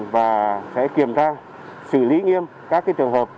và sẽ kiểm tra xử lý nghiêm các trường hợp